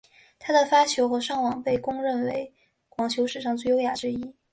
他的发球和上网被公认为网球史上最优雅之一。